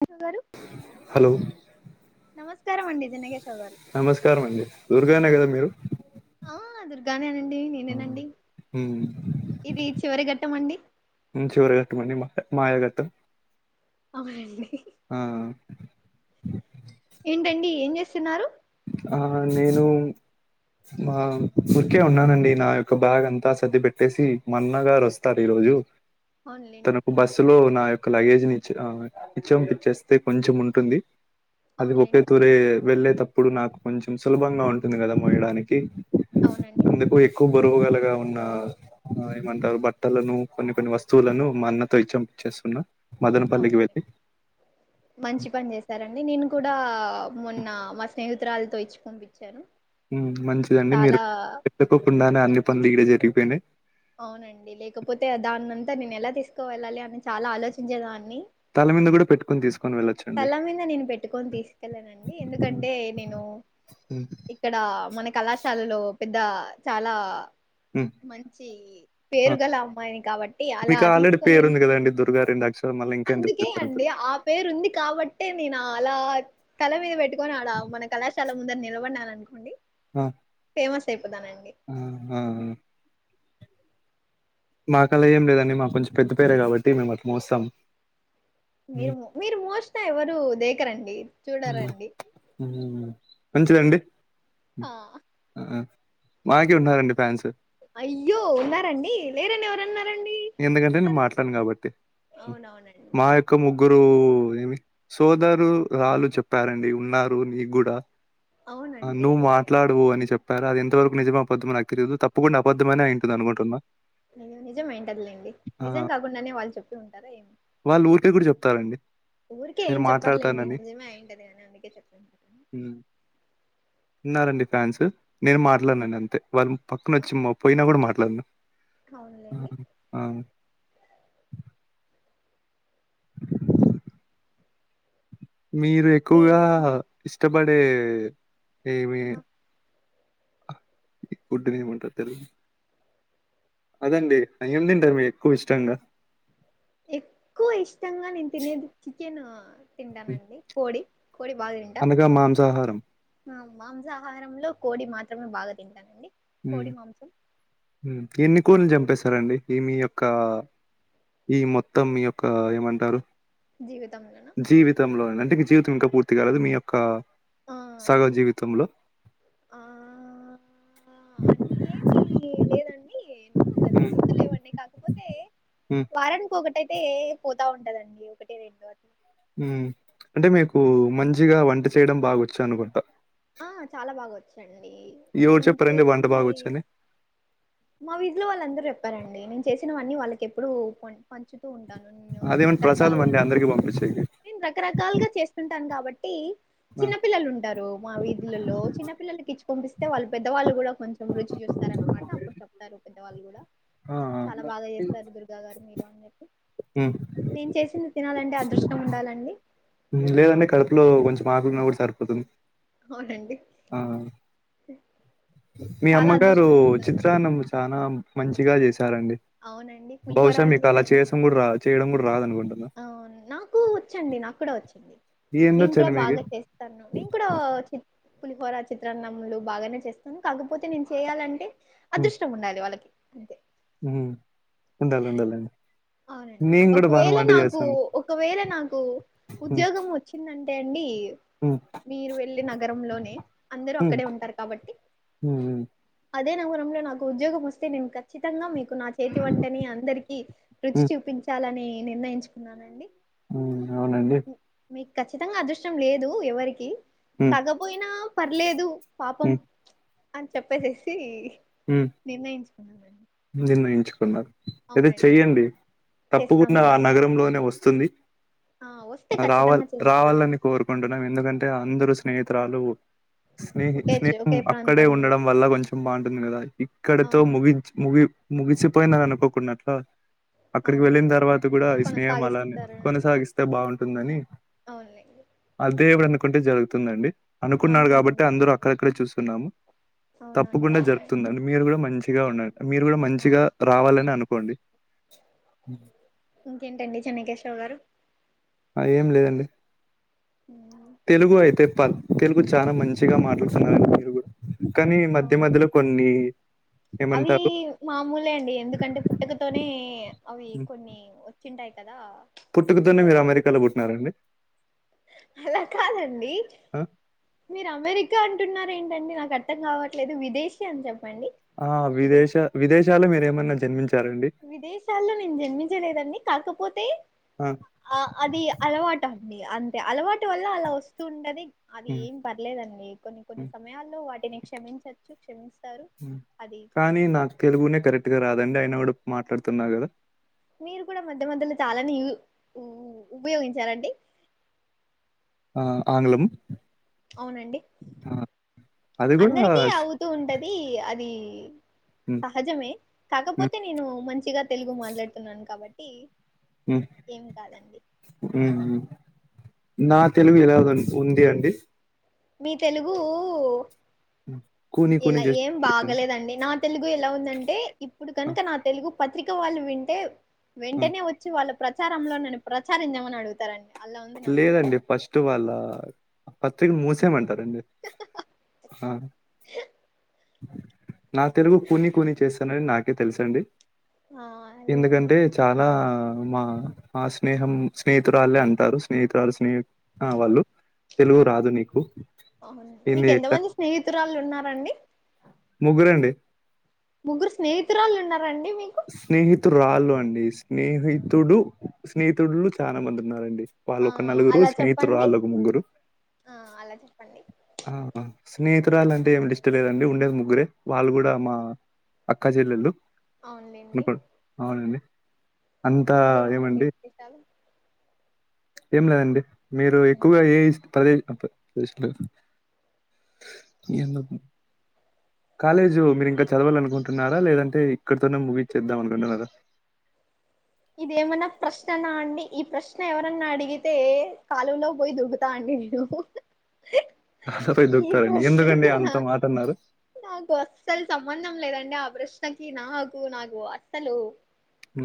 [unintelligible] Hello నమస్కారం అండి [unintelligible] నమస్కారం అండి, దుర్గానె కదా మీరు. ఆ దుర్గానే అండి మ్మ్. నేనేనండి మ్మ్, ఇది చివరి ఘట్టమండి. చివరగట్టమండి [unintelligible] అవునండి. ఆ ఏంటండి ఏం చేస్తున్నారు? ఆ నేను మా ఊరికే ఉన్నానండి నా యొక్క బ్యాగ్ అంతా సర్ది పెట్టేసి మన్న గారు వస్తారు ఈరో ళ్లు అవునులేండి తనకు బస్సులో నాయొక్ ఒక లగేజ్ నిచ్చ రావాలె ఇచ్చంపిచ్చేస్తే కొంచెం ఉంటుంది అది ఒప్పే అవునులేండి తూరే వెళ్ళేతప్పుడు నాకు కొంచెం సులభంగా ఉంటుంది కదా మోయడానికి అవునండి బరువుగలగా ఉన్న ఏమంటారు బట్టలను కొన్ని కొన్ని వస్తువులను మా అన్నతో ఇచ్చం చేస్తున్న అవును లే మంచి పని చేస్తారండి నేను కూడా మొన్న ఆ మా స్నేహితురాలతో ఇచ్చి పంపించాను ఊ మంచిదండి మీరు చాలా పెట్టుకోకుండానే అన్ని పనులు ఈడే జరిగిపోయినాయి అవునండి లేకపోతే దానంతా నేను ఎలా తీసుకో వెళ్ళాలి అని చాలా ఆలోచించేదాన్ని తల మీద కూడా పెటుకొని తీసు తల మీద నేను పెట్టుకొని తీసుకెళ్ళనండి హ్మ్. ఎందుకంటే నేను హ్మ్. ఇక్కడ మన కళాశాలలో పెద్ద చాలా ఉ మంచి పేరు గల అమ్మాయిని కాబట్టి అలా మీకు ఆల్రెడీ తీసుకొని పేరుంది గదండీ! దుర్గా అక్షరాలు మళ్ళీ ఇంకా ఎందుకు అందుకే చెప్పారు? అండి ఆ పేరు ఉంది కా కాబట్టే నేను అలా తల మీద పెట్టుకుని ఆడా మన కళాశాల ముందన నిలబడినాను అనుకోండి అ ఫేమస్ అయిపోతానండి ఆహా మాకలా ఏం లేదండి మాకు కొంచెం పెద్ద పేరే కాబట్టి మేమట్ల మోస్తాం మీరు హ్మ్. మో మీరు మోసినా ఎవరు దేకరండి చూడారండి ఊ మంచిదండి ఆ ఉ ఆ మాకి ఉన్నారండి ఫ్యాన్స్ అయ్యో ఉన్నారండి లేరని ఎవరన్నార్ ఎందుకంటే నేను మాట్లాను కాబట్టి ఉ అవునవునండి మా యొక్క ముగ్గురు లు ఏమి సోదరు రాలు చెప్పారండి ఉన్నారు నీకు కూడా ఆ అవునండి నువ్వు మాట్లాడు అని చెప్ కదా అది ఎంతవరకు నిజమో అబద్ధమో నాకు తెలియదు తప్పకుండా అబద్దమనే అయింటది అనుకుంటున్నా అయినా నిజం అయుంటదిలేండి నిజం కాకుండానే వాళ్ళు చెప్పి ఉంటారా ఏమి మీరు కూడా చెప్తారండి ఊరికే నేను ఏం చెప్పర్లేండి మాట్లాడతానని. నిజమే అయింటదిగాని అందుకే చెప్పింటారు హ్మ్. ఉన్నారండి ఫ్యాన్స్ నేను మాట్లాడిన అంతే వాళ్లు పక్కన వచ్చి పోయినా కూడా మాట్లాడను అవునులేండి ఉ మీరు ఎక్కువగా పేరు ఇష్టపడే ఏమి ఆ, ఈ ఫుడ్డునేమంటరు తెలుగుల అదండి ఏం తింటారు మీర్ ఎక్కువ ఇష్టంగా ఎక్కువ ఇష్టంగా నేను తినేది చికెన్ హ్మ్. తింటానండి కోడి కోడి బాగా తింటా అనగా మాంసాహారం ఆ, మాంసాహారంలో కోడి మాత్రమే బాగా తింటానండి ఉమ్ కోడి మాంసం ఉమ్ ఎన్ని స్కూల్ చంపేశారండి ఈ మీ యొక్క ఈ మొత్తం మీ యొక్క ఏమంటారు జీవితంలోన జీవితంలోనం టి జీవితం ఇంకా పూర్తి కాలదు మీ యొక్క ఆ సగ జీవితంలో ఆ అన్నీ ఏమి లేదండి ఎన్నో కాన్ని హ్మ్. గుర్తు లేవండి కాకపోతే హ్మ్. వారాన్ ఒకటైతే తే పోతా ఉంటదండి ఒకటి రెండో అది ఉమ్ అంటే మీకు మంచిగా వంట చేయడం బాగోచ్చానుకుంటా ఆ చాలా బాగా వచ్చండి ఎవరు నేను చెప్పారండి వంట చేసింది బాగొచ్చని? మా వీధిలో వాళ్ళందరూ చెప్పారండి నేను చేసినవన్నీ వాళ్ళకి ఎప్పుడు కోన్ పంచు ఉంటాను నే అదేమన్నా ప్రసాదం రకరకాలు అండి అందరికి పంపించేకి. నేను రకరకాలుగా చేస్తుంటాను కాబట్ ట్టి ఆ! చిన్న పిల్లలు ఉంటారు మా వీధులలో చిన్న పిల్లలకి ఇచ్చి పంపిస్తే వాళ్ళు పెద్దవాళ్ళు కూడా కొంచెం రుచి చూస్తారనమాట అప్పుడు చెప్తారు పెద్దవాళ్ళు కూడా ఆ! ఆ! చాలా బాగా చేస్తారు దుర్గా గారు మీరు అని చెప్పి హ్మ్. నేను చేసింది తినాలంటే అదృష్టమున్డాలండి లేదండి కడుపులో కొంచం ఆకులున్న కూడా సరిపోతది అవునండి మీ చాలా అమ్మగారు అదృష్టం ఉండాలి చిత్రాన్నం ఛానా మంచిగా చేస్ తరండి అవునండి పులిహోర బహుశా మీకు అండి అలా దాన్ని చేసం కూడా రా చేయడం కూడా రాద అనుకుంటన ఓ వచ్చండి నాకు కూడా వచ్చు నేను కూడా ఏందొచ్చండి మీకి? బాగా చేస్తాను నేను కూడా చి పులిహోరా చే చిత్రాన్నములు బాగానే చేస్తాను కాకపోతే నేను చేయాలంటే అదృష్టం ఉండాలి వాళ్ళకి ఉమ్ ఉండాల ఉండాల అవునండి ఒకవేళ నాకు ఒకవేళ నాకు హ్మ్. ఉద్యోగం వచ్చిందం టె అండి హ్మ్. మీరు వెళ్లి నగరంలోనే అందరు హ్మ్. అక్కడే ఉంటారు కాబట్టి హ్మ్. హ్మ్. అదే నగురంలో నాకు ఉద్యోగం వస్తే నేను ఖచ్చితంగా మీకు నా చేతి వంటని అందరికీ రుచి హ్మ్. చూపించాలని నిర్ణయించుకున్నానండి ఉమ్ అవునండి మీకు ఖచ్చితంగా అదృష్టం లేదు ఎవరికి హ్మ్. తగ్గపోయినా పర్లేదు పాపం హ్మ్. అని చెప్పేసేసి హ్మ్. నిర్ణయించ్ అదే చెయ్యండి తప్పకుండా ఆ చేస్తామండి నగరంలోనే వస్తుంది ఆ వస్తే రావాలి ఖచ్చితంగా చేసిస్తానండి రావాలని కోరుకుంటున్నాం ఎందుకంటే అందరు స్నేహిత్ త్రలు స్నేహి ఒకే చో స్నేహం ఒకే అక్కడే ప్రాంతంలో ఉండడం వల్ల కొంచెం బాగ కదా ఇక్కడతో అవును ముగిచ్ ముగి ముగిసిపోయిన అనుకోకుండాట్లా అక్కడికి వెళ్ళిన అవునులేండి తర్వాత కూడా ఆది స్నేహం అలా కొనసాగిస్తారు కొనసాగిస్తే బాగుంటుందని అవునులేండి అదేవుడఅనుకుంటే జరుగుతుందండి అనుకున్నారు అనుకున్నా కాబట్టి అందరు అక్కడక్కడే చూస్తున్నాము అవునండి అవు అండి మీరు కూడా మంచిగా ఉండ మీరు కూడా ఆ మంచిగా రావాలని అవును అనుకోండి ఇంకేంటండి చెన్నకేశవ గారు ఆ ఏం లేదండి ఉమ్ తెలుగు అయితే ప తెలుగు చాలా మంచిగా మాట్లాడుతున్నారు మురుగు కానీ ఆ మధ్య మధ్యలో కొన్ని అవి ఏమంటారు మామూలే అండి ఎందుకంటే పుట్టకతోనే అవి కొన్ని వచ్చింటాయి కదా పుట్టుకతోనే సో మీరు అమెరికాలో పుట్టినారండి అలా కాదండి ఆ మీరు అమెరికా అంటున్నారే ండి నాకు అర్థం కావట్లేదు విదేశీ అని చెప్ప ఆ విదేశ విదేశాల్లో మీరేమన్నా జన్మించ విదేశాల్లో నేను జన్మించలేదండి కాకపోతే ఆ ఆ అది అలవాటు అండి అంతే అలవాటు వల్ల అలా వస్తూ ఉంటది అది హ్మ్ ఏం పర్లేదండి కొన్ని కొన్ని హ్మ్ సమయాల్లో వాటిని క్షమించచ్చు క్షమి కానీ నాకు తెలుగునే కరెక్ట్ గా రాదండి అయినా కూడా మాట్లాడుతున్నా కదా మీరు కూడా మధ్య మధ్యలో చాలాని ఉ ఉపయోగించారండి ఆ ఆంగ్లము అవునండి అది గూడా అందరికీ అవుతూ ఉంటది అది హ్మ్ సహజమే హ్మ్ కాకపోతే నేను మంచిగా తెలుగు మాట్లాడుతున్నాను కాబట్టి హ్ ఏం కాదండి హ్మ్ నా తెలుగు ఇలాగ ఉంది అండి మీ తెలుగూ కూని కూని ఇలా జస్ట్ ఏం బాగలేదండి న తెలుగు ఎలా ఉందంటే ఇప్పుడు ఆ, కనుక నా తెలుగు పత్రిక వాళ్ళు వింటే ఆ. వెంటనే వచ్చి వాళ్ళ ప్రచారంలో నన్ను ప్రచారించామని అడుగుతారండి అలా ఉంది నాకు లేదండి ఫస్ట్ వాళ్ళ పత్రిక మూసేమంటారండి ఆ నా తెలుగు కూనీ కూనీ చేసానని నాకే తెలుసండి ఆ లేదండి ఎందుకంటే చాలా ఆ మా మా స్నేహం స్నేహితురాళ్లే అంటారు స్నేహితురాలు స్నేహి ఆ వాళ్ళు తెలుగు ఆ రాదు నీకు అవును మీకు ఎన్ని [unintelligible] ఎంతమంది స్నేహితురాళ్ళు ఉన్నారండి ముగ్గురండి ముగ్గురు స్నేహితురాళ్లు ఉన్నారండి మీకు రాళ్ళు అండి స్నేహితుడు స్నేహితుడులు చాలా మంది ఉన్నారండి ఆ వాళ్ళోకా నలుగురు అలా చెప్పండి స్నేహితురాళ్ళోక ముగ్గురు ఆ అలా చెప్పండి ఆ హ స్నేహి తూరళ్లంటే ఏమి లిస్ట్ లేదండి ఉండేది ముగ్గురే వాళ్ళు కూడా మా అక్క చెల్లెళ్ళు అవునులేండి [unintelligible] అవునండి అంతా ఇంకేమండి ఏమండి విశేషాలు ఏం లేదండి మీరు ఎక్కువగా ఏ పదే [unintelligible] కాలేజు మీరు ఇంకా చదవాలనుకుంటున్నారా లేదంటే ఇక్కడతోనే ముగి చేద్దామనుకుంటన్నారా ఇదేమనా ప్రశ్ననా అండి ఈ ప్రశ్న ఎవరన్నా అడిగితే కాలువ లో పోయి దూకుతా అండి నేను [unintelligible] ఈ దూకుతారండి ఎందుకండి ప్రశ్నకి నా అంత మాట అన్నారు నాకు అస్సలు సంబంధం లేదండి ఆ ప్రశ్నకి నాకు నాకు అస్సలు ఉ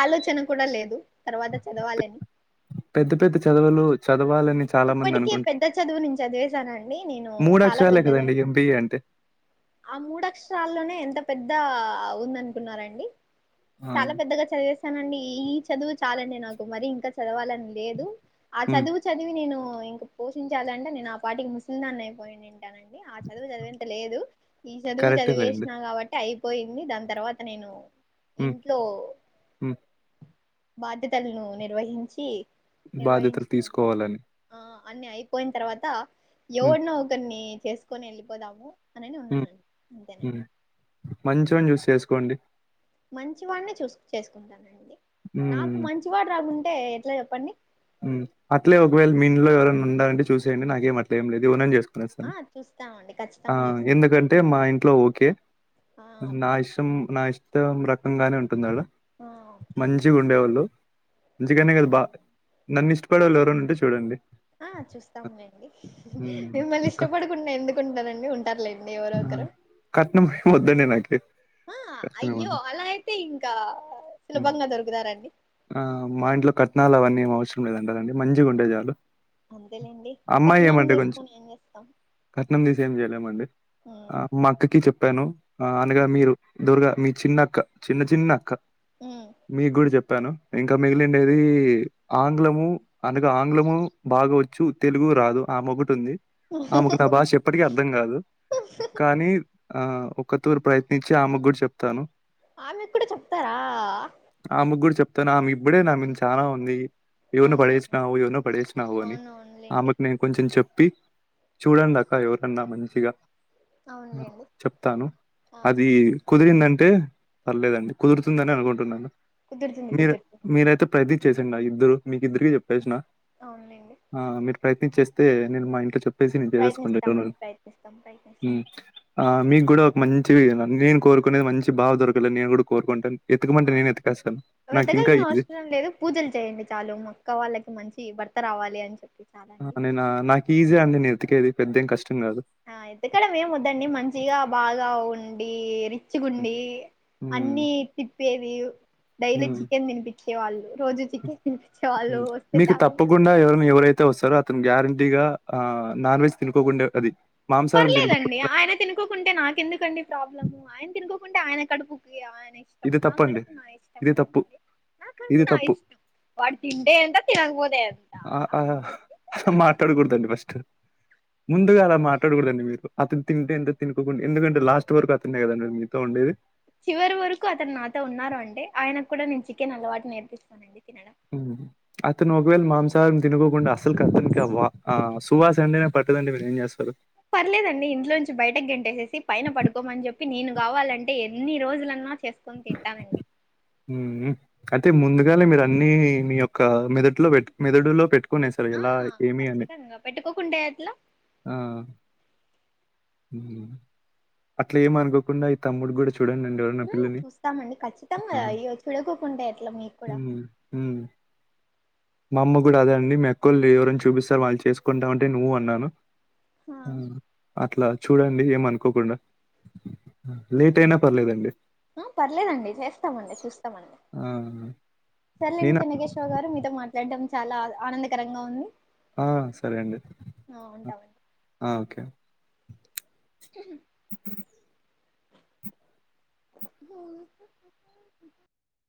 ఆలోచన కూడా లేదు తర్వాత చదవాలని పెద్ద పెద్ద చదువులు చదవాలని చాలా మంది ఇప్పటికే అనుకుంట పెద్ద చదువు నేన్ చదివేశానండి నేను మూడు చాలా అక్షరాలే పెద్దది కదండి ఎంబీఏ అంటే ఆ మూడక్షరాల్లోనే ఎంత పెద్ద వుందనుకున్నారండి ఆ చాలా పెద్దగా చది తానండి ఈ చదువు చాలండి నాకు, మరి ఇంకా చదవాలని లేదు, ఆ ఉమ్ చదువు చదు నేను ఇంకా పోషించాలంటే నేను ఆ పాటికి ముసలి దాన్ని అయిపోయిండిని. టానండి ఆ చదువు చదివేంత లేదు, ఈ చదువు కరెక్టే లేండి చదివేసిన కాబట్టి అయి పోయింది దాని తర్వాత నేను ఉమ్ ఇంట్లో ఉమ్ బాధ్యతలను నిర్వహించి బాధ్యతలు నిర్వహించుకొని తీసుకోవాలని ఆ అన్ని అయిపోయిన తర్వాత, ఉమ్ ఎవడినో ఒకడ్ని చేసుకొని వెళ్ళిపోదాము. అనేనే ఉన్నానండి అంతేనండి. మంచోన్ని చూసి చేసుకోండి. మంచివాడిన్నే చూసు చేసుకుంటానండి, నాకు ఉమ్ మంచివాడు రాకుంటే ఎట్లా చెప్పండి? ఉమ్ అట్లే ఆ ఒకవేళ మీ ఇంట్లో ఎవరన్నా ఉండాలంటే చూసేయండి, నాకేం అట్లేం లేదు, ఎవరినన్న చేసుకో ఆ చూస్తామండి ఆ ఖచ్చితంగా చూస్తాం ఎందుకంటే మా ఇంట్లో ఓకే. ఆ నా ఓకే ఇష్టం నా ఇష్ మొత్తం రకంగానే ఉంటుందాడ, ఆ ఓకే మంచి గుండెవాళ్ళు చిగానే కాదు బా నన్ను ఇష్టపడే వాళ్ళు ఎవరన్న ఉంటే చూడండి. ఆ చూస్తాము లేండి హ్మ్. మిమ్మల్ని క ఇష్టపడుకుండా ఎందుకుంటారండి, ఉంటారులేండి ఎవరో ఆ! కరు కట్నం ఏం వద్దండి నాకి కట్నం ఏం అయ్యో వద్దు. అలా అయితే ఇంకా సులభంగా దొరుకుతారండి ఆ మా ఇంట్లో కట్నాలు అవన్నీ ఏమవస లేదంటదండి మంచిగుంటె చాలు. అంతేలేండి అమ్మాయి కట్నం ఏమంటే కొంచెం తీసుకొని ఏం చేస్తాం? కట్నం తీసి ఏం చేయలేమండి, ఆ ఉమ్, మా అక్కకి చెప్ ప్పాను అనగా మీరు దుర్గా మీ చిన్న అక్క, చిన్న చిన్న అక్క. ఉమ్, మీకు గుడ చెప్పాను, ఇంకా ఉమ్. మిగిలిండేది ఆంగ్లము అనగా ఆంగ్లము బాగా వచ్చు తెలుగు రాదు, ఆమోకటి ఉంది ఆమెకు నా భాష ఎప్పటికీ అర్థం కాదు, కానీ ఆ ఒకతూరు ప్రయత్నించి ఆమకు గూడ చెప్తాను. ఆమె కూడా చెప్తారా? ఆమెకు కూడా చెప్తాను, ఆమె ఇప్పుడే నా మింద చాలా ఉంది. ఎవర్ని అవునులేండి పడేసినావు ఎవర్ని పడేసినావు అని, అవును అవునులేండి ఆమెకు నేను కొంచెం చెప్ పి చూడండక్క ఎవర్నన్నా మంచిగా అవునులేండి చెప్తాను ఆ అది కుదిరిందం టె పర్లేదండి కుదురుతుందని అనుకుంటున్నాను, కుదురుతుంది మీరు కుదురుతుందిలేండి మీరైతే ప్రయత్నం చేసి ఇద్దరు మీకిద్దరికి చెప్పేసిన, అవునులేండి ఆ మీరు ప్రయత్నించేస్తే నేను మా ఇంట్లో చెప్ సి నేను చేసేసుకుంట ఎడ్డోన ప్రయత్నిస్తామండి ప్రయత్నిస్తాం ప్రయత్నిస్తాం ఉమ్ ఆ మీకు కూడా ఒక మం చివి నేను కోరుకునేది మంచి బావ దొరకాలనీ నేను కూడా కోరుకుంటన్ ఆ వెదగాల్సిన ఈజీ. అవసరం లేదు, పూజలు చేయండి చాలు మా క్క వాళ్ళకి మంచి భర్త రావాలి, అని చెప్పి చాలండి నేన నాకీ ఈజీగ అండి నేనెతికేది పెద్దేమ్ కష్ ఆ ఎతకడం మేము వద్దండి, మంచిగా బాగా ఉండి రిచ్చిగుండి. హ్మ్. అన్నీ తిప్పేది. డైలీ హ్మ్. చికెన్ తినిపించే వాళ్ళు, రోజు చికెన్ తినిపించే వాళ్ళు వస్తే చాలు. తే వస్తాడో అతను గ్యారంటీగా ఆ నాన్ వెజ్ తినుకోకుండే అది మాంసాహారం పర్లేదండి తినుకోకుండా ఆయన తినుకోకుంటే నాకెందుకండి ప్రాబ్లము, ఆయన తినుకో కుంటే ఆయన కడుపుకి ఆయన ఇష్టం, ఇది నా తప్పండి. కడుపు నా ఇష్టం ఇది తప్పు. కదండి. నాక ఇది [unintelligible] నా తప్పు. ఇష్టం వాడు తింటే ఎంత తినగబోదే ఎంతా మాటాడగూడదండి ఫస్టు ముందుగా అలా మాట్లాడగూడదండి మీరు అతన్ తింటే ఎంత తినకోకుండి ఎందుకంటె లాస్ట్ వరకు అతనే గదండి మీతో ఉండేది చివరి వరకూ అతన్నాతో ఉన్నారు అంటే ఆయనక్కుడా నేన్ చికెనలవాటు నేర్పిస్తానండి తిన [unintelligible] అతను ఒకవేళ మాంసాహారం తినుకోకుండా అసల్ కతనికి ఆ వా ఆ సువాసంటేనే పట్టదంటె మీరేం జేస్తరు పర్లేదండి ఇంట్లోంచి బయటగెంటేసేసి పైన పడుకొమ్మన్ జెప్ ప్పి నేను గావాలంటే యెన్ని రోజులన్నా చేసుకొన్ తింటానండి అతే ముందుగానే మీరన్నీ మీ యొక్కా మెదట్లో బెట్ మెదడులో పెట్టు కునే సారు ఆ యెలా ఏమి అని ఖచ్చితంగా పెట్టుకోకుంటే ఎట్లా ఆ ఊ అట్లేమనుకోకుండా ఈ తమ్ముడుగ్గూడ ఊ చూస్తామండి ఖచ్చితంగా ఆ, అయ్యో చుడకోకుంటే ఎట్ల మీక్కుడా అ మ్మ్, మ్మ్. మా అమ్మ గూడా అదే అండి మీ అక్కోల్లేవరిన్ చూపిస్తె వాళ్ళిని చేసుకుంటామంటే నువ్వూ అన్నాను హా ఆ, అట్లా చూడండి యేమనుకోకుండా లేటయినా పర్లేదండి ఆ పర్లేదండి చేస్తమండి చూస్తమండి ఆ! సర్లేండి నేనా చెన్నకేశవ గారు మీతో మాట్లాడ్డం చాలా ఆనందకరంగా ఉంది ఆ సరే అండి ఆ ఉంటామండి ఆ ఓకే హ